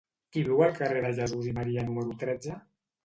Qui viu al carrer de Jesús i Maria número tretze?